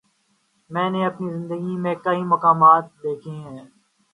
میں نے اپنی زندگی میں کئی مقامات دیکھے ہیں۔